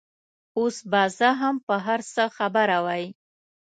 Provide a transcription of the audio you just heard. اوس به زه هم په هر څه خبره وای.